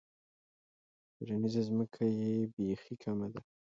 کرنیزه ځمکه یې بیخي کمه ده.